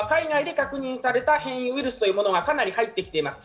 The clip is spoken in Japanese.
今国内で流行しているのは海外で確認された変異ウイルスというものが、かなり入ってきています。